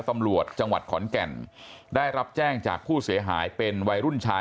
ตำรวจจังหวัดขอนแก่นได้รับแจ้งจากผู้เสียหายเป็นวัยรุ่นชาย